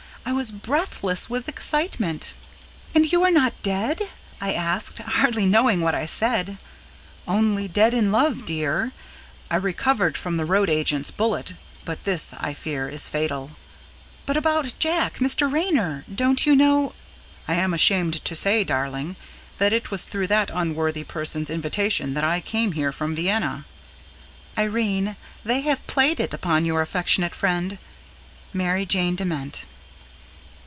I was breathless with excitement. "And you are not dead?" I asked, hardly knowing what I said. "Only dead in love, dear. I recovered from the road agent's bullet, but this, I fear, is fatal." "But about Jack Mr. Raynor? Don't you know " "I am ashamed to say, darling, that it was through that unworthy person's invitation that I came here from Vienna." Irene, they have played it upon your affectionate friend, MARY JANE DEMENT.